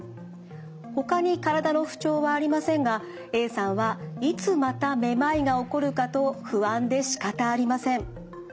ほかに体の不調はありませんがＡさんはいつまためまいが起こるかと不安でしかたありません。